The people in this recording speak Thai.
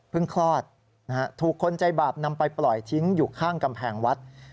คลอดนะฮะถูกคนใจบาปนำไปปล่อยทิ้งอยู่ข้างกำแพงวัด